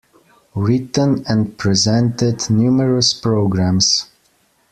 Written and presented numerous programmes.